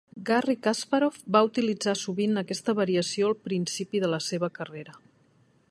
Garry Kasparov va utilitzar sovint aquesta variació al principi de la seva carrera.